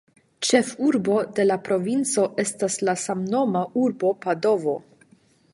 Ĉefurbo de la provinco estas la samnoma urbo Padovo.